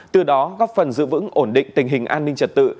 từ đó góp phần giữ vững ổn định tình hình an ninh trật tự